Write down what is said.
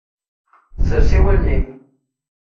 Sers i wallen-im.